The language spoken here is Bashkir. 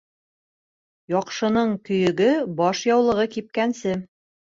Яҡшының көйөгө баш яулығы кипкәнсе.